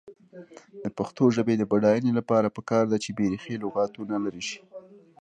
د پښتو ژبې د بډاینې لپاره پکار ده چې بېریښې لغتونه لرې شي.